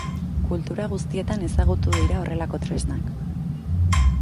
Kultura guztietan ezagutu dira horrelako tresnak.